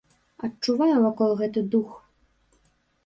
Адчуваю вакол гэты дух.